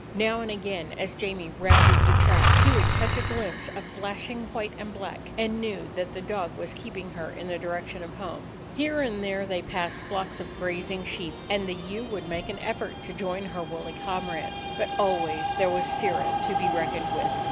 Now and again, as Jamie rounded the track, he would catch a glimpse of flashing white and black, and knew that the dog was keeping her in the direction of home. Here and there they passed flocks of grazing sheep, and the ewe would make an effort to join her woolly comrades; but always there was Sirrah to be reckoned with.